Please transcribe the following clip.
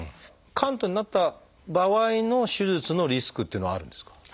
嵌頓になった場合の手術のリスクっていうのはあるんですか？